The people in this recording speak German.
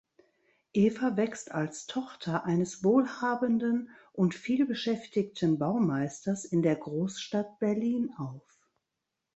Eva wächst als Tochter eines wohlhabenden und vielbeschäftigten Baumeisters in der Großstadt Berlin auf.